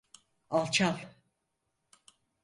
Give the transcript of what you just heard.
Alçal!